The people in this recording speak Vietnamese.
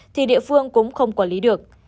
thì địa phương cũng không quản lý được